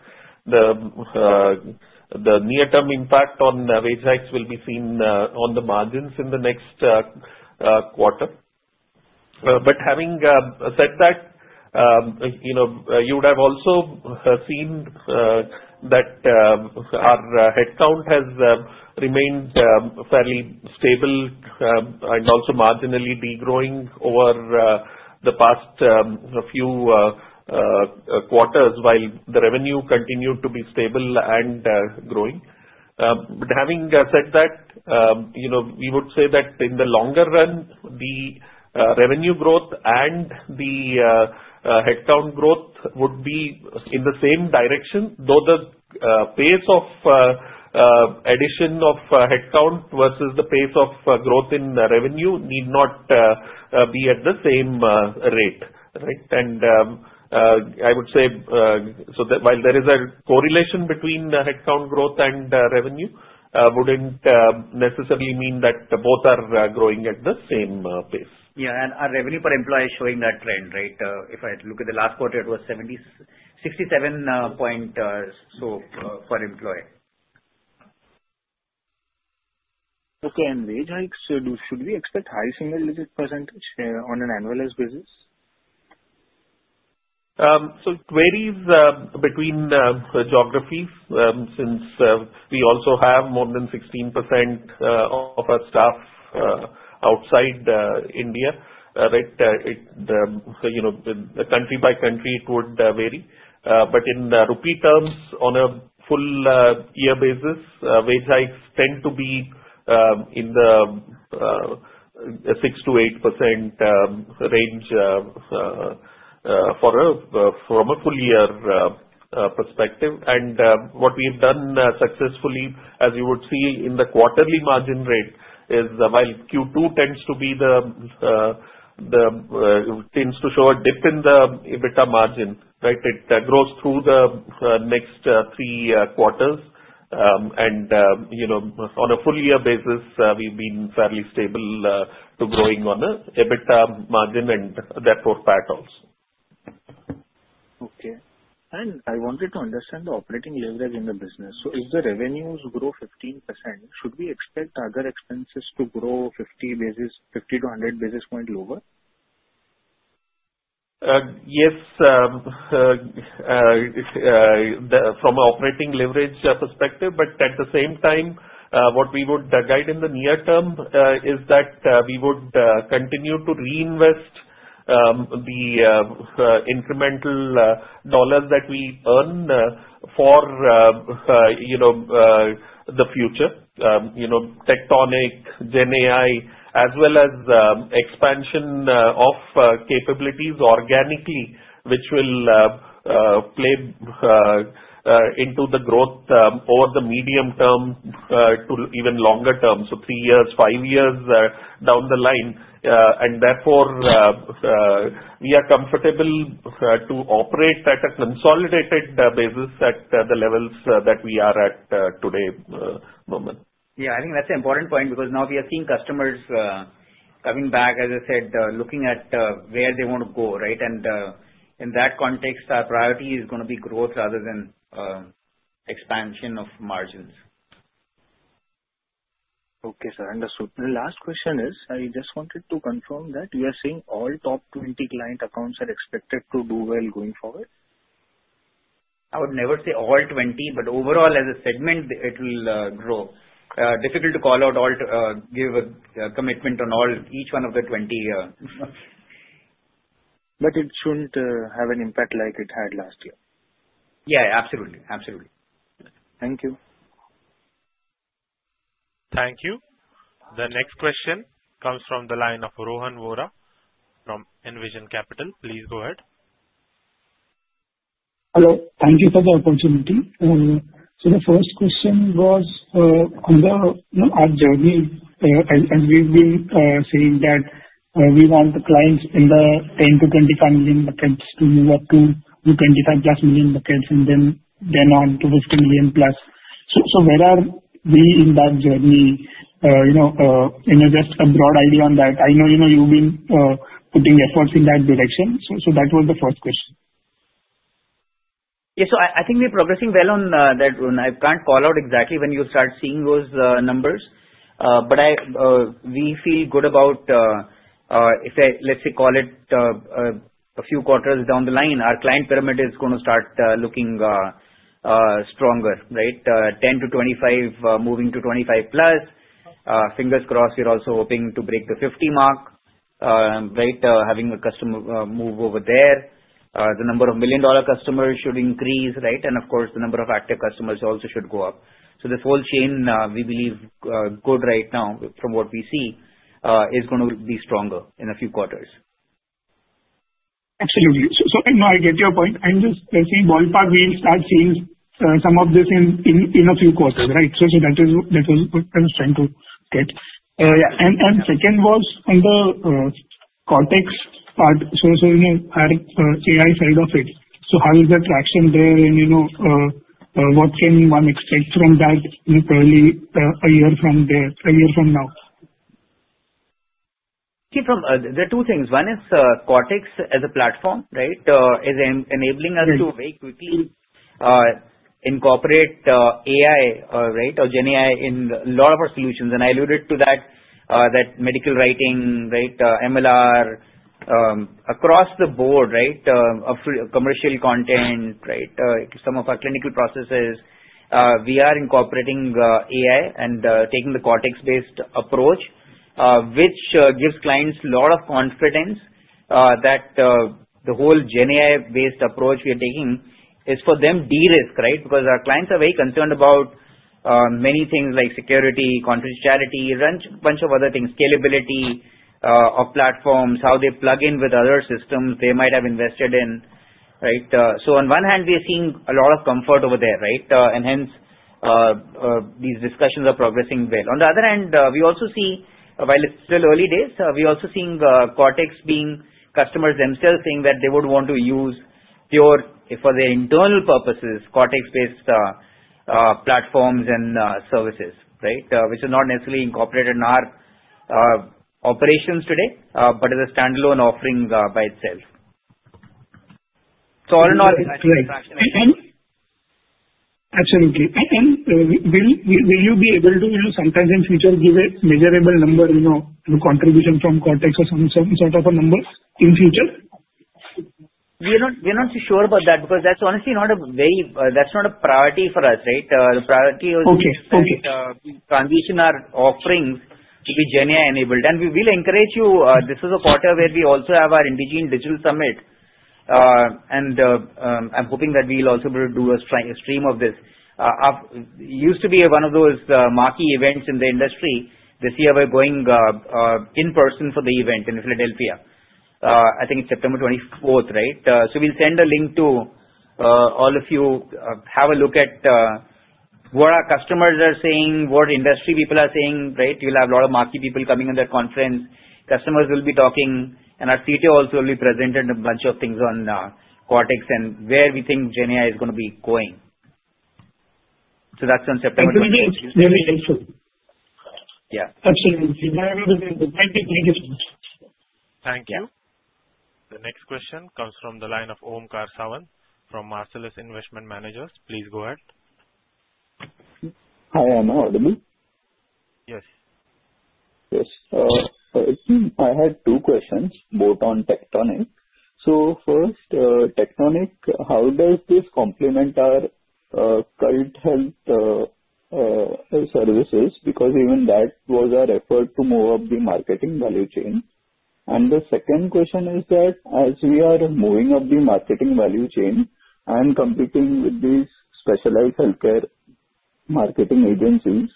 The near-term impact on wage hikes will be seen on the margins in the next quarter. But having said that, you would have also seen that our headcount has remained fairly stable and also marginally degrowing over the past few quarters while the revenue continued to be stable and growing. But having said that, we would say that in the longer run, the revenue growth and the headcount growth would be in the same direction, though the pace of addition of headcount versus the pace of growth in revenue need not be at the same rate, right? And I would say, so while there is a correlation between headcount growth and revenue, it wouldn't necessarily mean that both are growing at the same pace. Yeah. And our revenue per employee is showing that trend, right? If I look at the last quarter, it was 67 point or so far per employee. Okay. And wage hikes, should we expect high single digit percentage on an annualized basis? So it varies between geographies since we also have more than 16% of our staff outside India, right? Country by country, it would vary. But in the repeat terms, on a full-year basis, wage hikes tend to be in the 6%-8% range from a full-year perspective. And what we have done successfully, as you would see in the quarterly margin rate, is while Q2 tends to show a dip in the EBITDA margin, right? It grows through the next three quarters. And on a full-year basis, we've been fairly stable to growing on the EBITDA margin and that Q4 PAT also. Okay. And I wanted to understand the operating leverage in the business. So if the revenues grow 15%, should we expect other expenses to grow 50-100 basis points lower? Yes, from an operating leverage perspective. But at the same time, what we would guide in the near term is that we would continue to reinvest the incremental dollars that we earn for the future, Tectonic, GenAI, as well as expansion of capabilities organically, which will play into the growth over the medium term to even longer term, so three years, five years down the line. And therefore, we are comfortable to operate at a consolidated basis at the levels that we are at today, Mohammed. Yeah. I think that's an important point because now we are seeing customers coming back, as I said, looking at where they want to go, right? And in that context, our priority is going to be growth rather than expansion of margins. Okay, sir. Understood. The last question is, I just wanted to confirm that you are saying all top 20 client accounts are expected to do well going forward? I would never say all 20, but overall, as a segment, it will grow. Difficult to call out all, give a commitment on each one of the 20. But it shouldn't have an impact like it had last year. Yeah. Absolutely. Absolutely. Thank you. Thank you. The next question comes from the line of Rohan Vora from Envision Capital. Please go ahead. Hello. Thank you for the opportunity. So the first question was on our journey, and we've been saying that we want the clients in the $10 million-$25 million buckets to move up to $25 million plus buckets and then on to $50 million+. So where are we in that journey? Just a broad idea on that. I know you've been putting efforts in that direction. So that was the first question. Yeah. So I think we're progressing well on that one. I can't call out exactly when you start seeing those numbers. But we feel good about, let's say, call it a few quarters down the line, our client pyramid is going to start looking stronger, right? 10-25, moving to 25+. Fingers crossed, we're also hoping to break the 50 mark, right? Having a customer move over there. The number of million-dollar customers should increase, right? And of course, the number of active customers also should go up. So this whole chain, we believe, good right now from what we see, is going to be stronger in a few quarters. Absolutely. So now I get your point. I'm just seeing ballpark, we'll start seeing some of this in a few quarters, right? So that was what I was trying to get. And second was on the Cortex part. So our AI side of it. So how is the traction there? And what can one expect from that early a year from now? There are two things. One is Cortex as a platform, right? Is enabling us to very quickly incorporate AI, right, or GenAI in a lot of our solutions. And I alluded to that, that medical writing, right, MLR, across the board, right? Commercial content, right? Some of our clinical processes, we are incorporating AI and taking the Cortex-based approach, which gives clients a lot of confidence that the whole GenAI-based approach we are taking is for them de-risk, right? Because our clients are very concerned about many things like security, confidentiality, a bunch of other things, scalability of platforms, how they plug in with other systems they might have invested in, right? So on one hand, we are seeing a lot of comfort over there, right? And hence, these discussions are progressing well. On the other hand, we also see, while it's still early days, we're also seeing Cortex being customers themselves saying that they would want to use Cortex for their internal purposes, Cortex-based platforms and services, right? Which is not necessarily incorporated in our operations today, but as a standalone offering by itself. So all in all, it's great. Absolutely. And will you be able to sometime in the future give a measurable number, contribution from Cortex or some sort of a number in the future? We're not too sure about that because that's honestly not a priority for us, right? The priority was to transition our offerings to be GenAI-enabled, and we will encourage you. This is a quarter where we also have our Indegene Digital Summit, and I'm hoping that we'll also be able to do a stream of this. It used to be one of those marquee events in the industry. This year, we're going in person for the event in Philadelphia. I think it's September 24th, right? So we'll send a link to all of you. Have a look at what our customers are saying, what industry people are saying, right? You'll have a lot of marquee people coming in that conference. Customers will be talking. And our CTO also will be presenting a bunch of things on Cortex and where we think GenAI is going to be going. So that's on September 24th. Very helpful. Yeah. Absolutely. Thank you so much. Thank you. The next question comes from the line of Omkar Sawant from Marcellus Investment Managers. Please go ahead. Hi. Am I audible? Yes. Yes. I had two questions both on Tectonic. So first, Tectonic, how does this complement our CultHealth services? Because even that was our effort to move up the marketing value chain. And the second question is that as we are moving up the marketing value chain and competing with these specialized healthcare marketing agencies,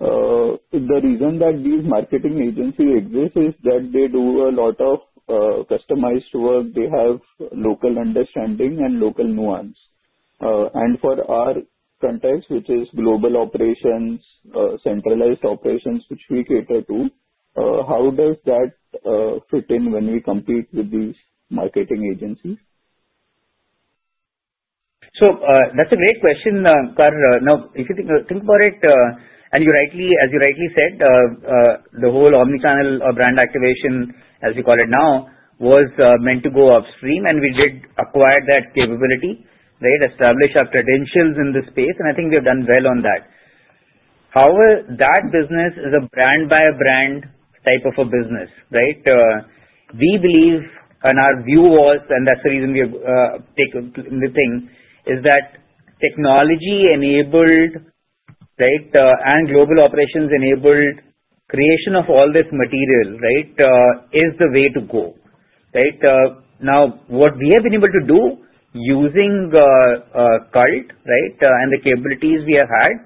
the reason that these marketing agencies exist is that they do a lot of customized work. They have local understanding and local nuance. And for our context, which is global operations, centralized operations, which we cater to, how does that fit in when we compete with these marketing agencies? So that's a great question, Omkar. Now, if you think about it, and as you rightly said, the whole Omnichannel Brand Activation, as you call it now, was meant to go upstream. And we did acquire that capability, right? Establish our credentials in the space. And I think we have done well on that. However, that business is a brand-by-brand type of a business, right? We believe, and our view was, and that's the reason we're taking the thing, is that technology-enabled, right, and global operations-enabled creation of all this material, right, is the way to go, right? Now, what we have been able to do using Cult, right, and the capabilities we have had,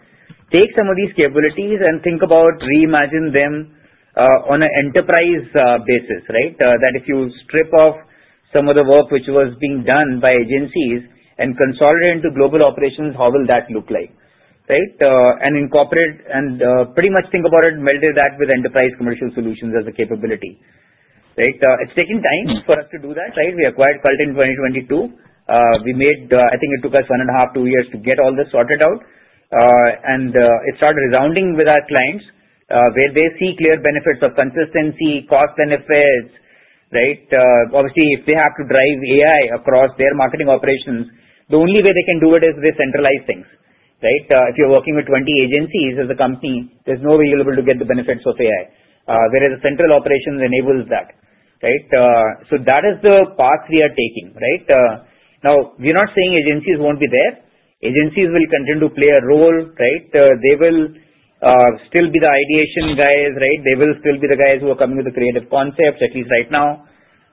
take some of these capabilities and think about reimagining them on an enterprise basis, right? That if you strip off some of the work which was being done by agencies and consolidate into global operations, how will that look like, right? And incorporate and pretty much think about it, melding that with enterprise commercial solutions as a capability, right? It's taken time for us to do that, right? We acquired Cult in 2022. I think it took us one and a half, two years to get all this sorted out. And it started resounding with our clients where they see clear benefits of consistency, cost benefits, right? Obviously, if they have to drive AI across their marketing operations, the only way they can do it is with centralized things, right? If you're working with 20 agencies as a company, there's no way you'll be able to get the benefits of AI, whereas the central operations enables that, right? So that is the path we are taking, right? Now, we're not saying agencies won't be there. Agencies will continue to play a role, right? They will still be the ideation guys, right? They will still be the guys who are coming with the creative concepts, at least right now,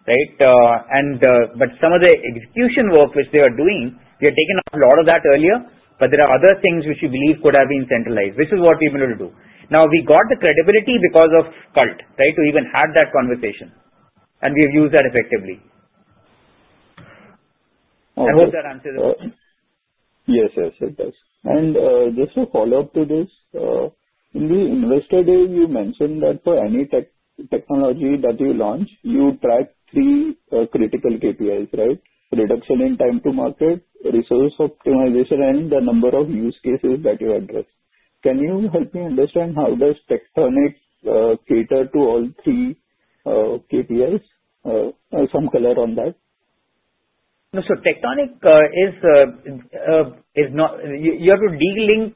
right? But some of the execution work which they are doing, we have taken a lot of that earlier. But there are other things which we believe could have been centralized, which is what we're able to do. Now, we got the credibility because of Cult, right, to even have that conversation. And we have used that effectively. I hope that answers the question. Yes, yes, it does. And just a follow-up to this. In the Investor Day, you mentioned that for any technology that you launch, you track three critical KPIs, right? Reduction in time to market, resource optimization, and the number of use cases that you address. Can you help me understand how does Tectonic cater to all three KPIs? Some color on that. So Tectonic is not. You have to de-link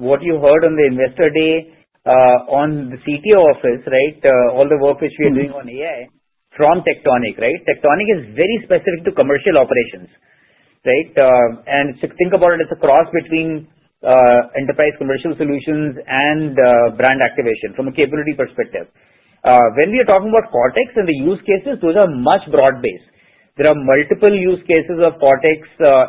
what you heard on the investor day on the CTO office, right? All the work which we are doing on AI from Tectonic, right? Tectonic is very specific to commercial operations, right? And to think about it, it's a cross between Enterprise Commercial Solutions and Brand Activation from a capability perspective. When we are talking about Cortex and the use cases, those are much broad-based. There are multiple use cases of Cortex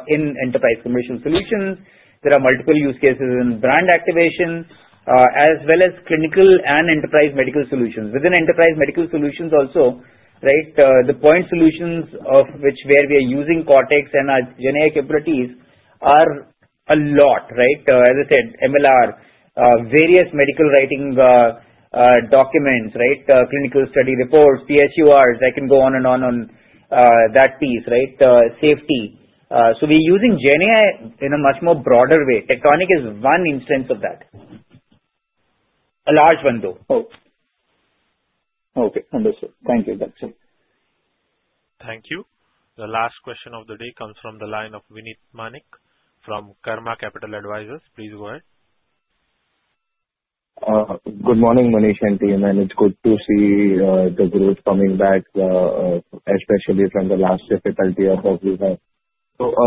in Enterprise Commercial Solutions. There are multiple use cases in brand activation, as well as clinical and enterprise medical solutions. Within enterprise medical solutions also, right, the point solutions of which where we are using Cortex and our GenAI capabilities are a lot, right? As I said, MLR, various medical writing documents, right? Clinical study reports, PSURs. I can go on and on that piece, right? Safety. So we're using GenAI in a much more broader way. Tectonic is one instance of that. A large one, though. Okay. Understood. Thank you. That's it. Thank you. The last question of the day comes from the line of Vinit Manek from Karma Capital Advisors. Please go ahead. Good morning, Manish and team. It's good to see the growth coming back, especially from the last difficulty that we had.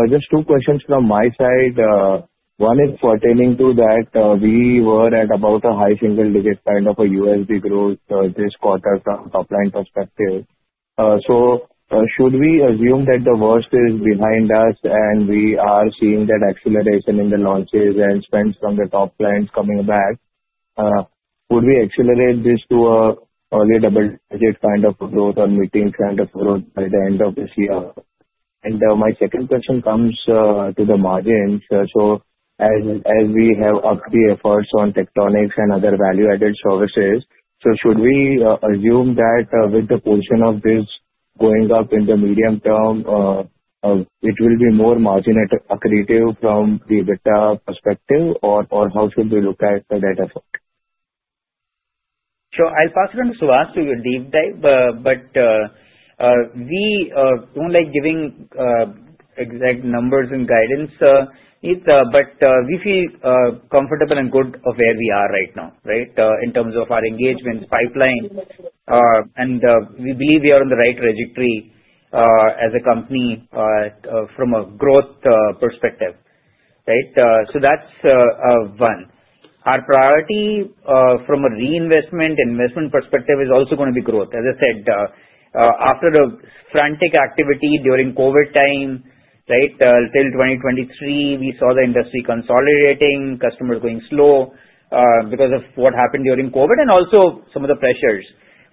Just two questions from my side. One is pertaining to that we were at about a high single-digit kind of a USD growth this quarter from top-line perspective so should we assume that the worst is behind us and we are seeing that acceleration in the launches and spends from the top lines coming back would we accelerate this to an early double-digit kind of growth or mid-teens kind of growth by the end of this year and my second question comes to the margins so as we have upped the efforts on Tectonic and other value-added services so should we assume that with the portion of this going up in the medium term it will be more margin accretive from the EBITDA perspective or how should we look at that effort? so I'll pass it on to Suhas to deep dive but we don't like giving exact numbers and guidance. But we feel comfortable and good of where we are right now, right, in terms of our engagement pipeline. And we believe we are on the right trajectory as a company from a growth perspective, right? So that's one. Our priority from a reinvestment investment perspective is also going to be growth. As I said, after the frantic activity during COVID time, right, until 2023, we saw the industry consolidating, customers going slow because of what happened during COVID and also some of the pressures.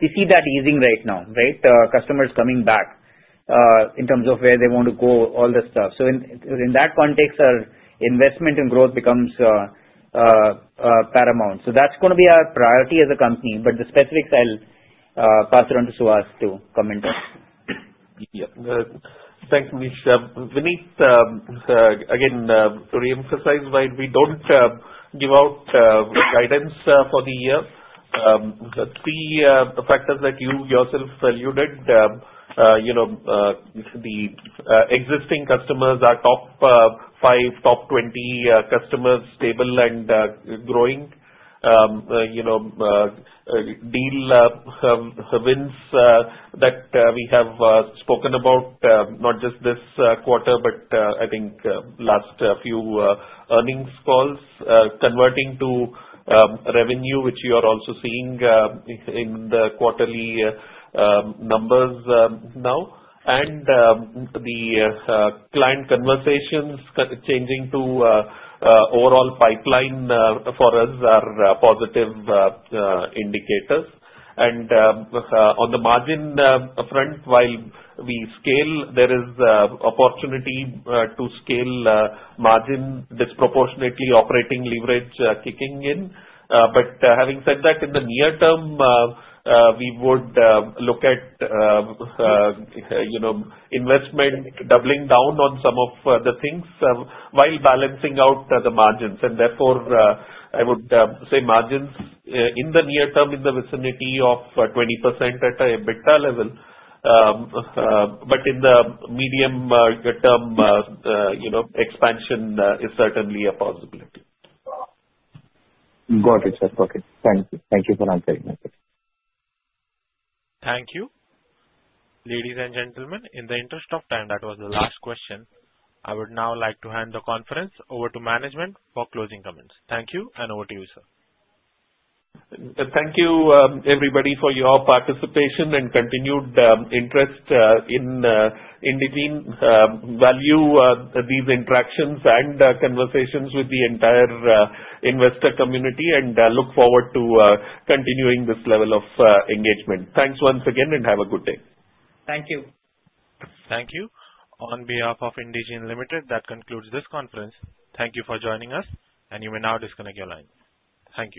We see that easing right now, right? Customers coming back in terms of where they want to go, all this stuff. So in that context, our investment in growth becomes paramount. So that's going to be our priority as a company. But the specifics, I'll pass it on to Suhas to comment on. Yep. Thanks, Manish. Vinit, again, to re-emphasize, right? We don't give out guidance for the year. The three factors that you yourself alluded to, the existing customers, our top five, top 20 customers, stable and growing, deal wins that we have spoken about, not just this quarter, but I think last few earnings calls, converting to revenue, which you are also seeing in the quarterly numbers now, and the client conversations changing to overall pipeline for us are positive indicators. On the margin front, while we scale, there is opportunity to scale margin disproportionately, operating leverage kicking in. But having said that, in the near term, we would look at investment, doubling down on some of the things while balancing out the margins. Therefore, I would say margins in the near term in the vicinity of 20% at an EBITDA level. In the medium term, expansion is certainly a possibility. Got it, sir. Okay. Thank you. Thank you for answering my question. Thank you. Ladies and gentlemen, in the interest of time, that was the last question. I would now like to hand the conference over to management for closing comments. Thank you. And over to you, sir. Thank you, everybody, for your participation and continued interest in deepening value of these interactions and conversations with the entire investor community. And I look forward to continuing this level of engagement. Thanks once again, and have a good day. Thank you. Thank you. On behalf of Indegene Limited, that concludes this conference. Thank you for joining us. And you may now disconnect your line. Thank you.